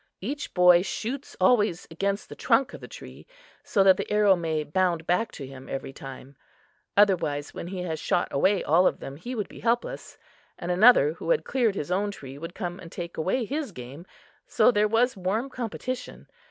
Each boy shoots always against the trunk of the tree, so that the arrow may bound back to him every time; otherwise, when he had shot away all of them, he would be helpless, and another, who had cleared his own tree, would come and take away his game, so there was warm competition.